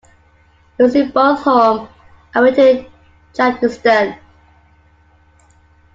Losing both home and away to Tajikistan.